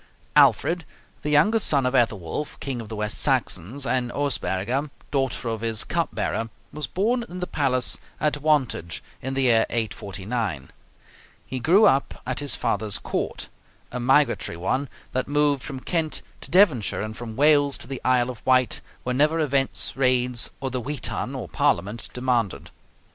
Alfred, the younger son of Ethelwulf, king of the West Saxons, and Osberga, daughter of his cup bearer, was born in the palace at Wantage in the year 849. He grew up at his father's court, a migratory one, that moved from Kent to Devonshire and from Wales to the Isle of Wight whenever events, raids, or the Witan (Parliament) demanded.